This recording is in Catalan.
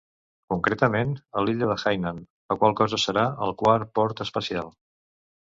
Concretament, a l'illa de Hainan, la qual cosa serà el quart port espacial.